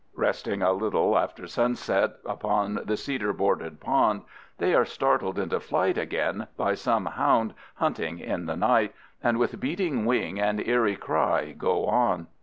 Resting a little after sunset upon the cedar bordered pond, they are startled into flight again by some hound hunting in the night, and with beating wing and eerie cry go on.